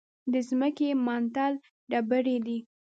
د ځمکې منتل ډبرې دي.